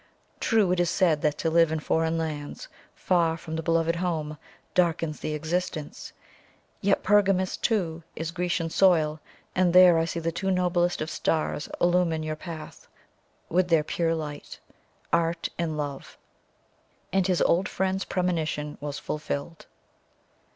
True, it is said that to live in foreign lands, far from the beloved home, darkens the existence; yet Pergamus, too, is Grecian soil, and there I see the two noblest of stars illumine your path with their pure light art and love." And his old friend's premonition was fulfilled.